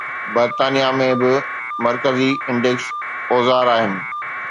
برطانيه ۾ ٻه مرڪزي انڊيڪس اوزار آهن